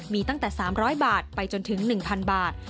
มีตั้งแต่๓๐๐บาทไปจนถึง๑๐๐บาท